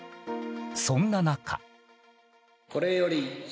そんな中。